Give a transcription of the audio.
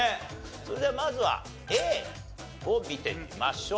それではまずはＡを見てみましょう。